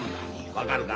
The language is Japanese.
分かるか？